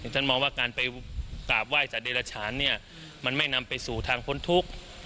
ท่านมองว่าการไปกราบไหว้สัตเดรฉานเนี่ยมันไม่นำไปสู่ทางพ้นทุกข์